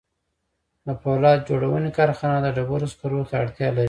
د پولاد جوړونې کارخانه د ډبرو سکارو ته اړتیا لري